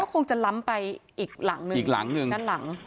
เขาคงจะล้ำไปอีกหลังนึงอีกหลังนึงนั้นหลัง